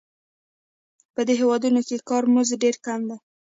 په دې هېوادونو کې کاري مزد ډېر کم دی